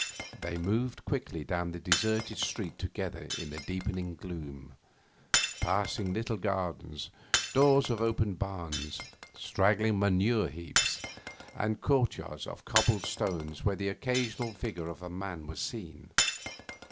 They moved quickly down the deserted street together in the deepening gloom, passing little gardens, doors of open barns, straggling manure heaps, and courtyards of cobbled stones where the occasional figure of a man was seen.